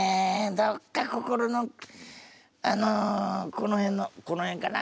どっか心のあのこの辺のこの辺かな